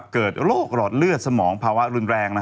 เกิดโรคหลอดเลือดสมองภาวะรุนแรง